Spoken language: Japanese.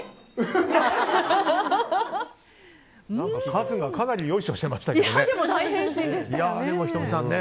カズが、かなりよいしょしてましたけどね。